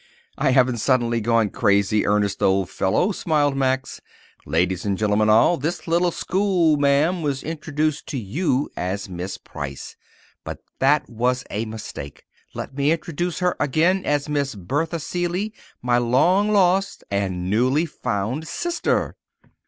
"I haven't suddenly gone crazy, Ernest, old fellow," smiled Max. "Ladies and gentlemen all, this little school ma'am was introduced to you as Miss Price, but that was a mistake. Let me introduce her again as Miss Bertha Seeley, my long lost and newly found sister."